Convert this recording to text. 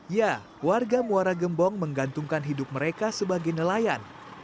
ya warga muara gembong menggantungkan hidup mereka sebagai nelayan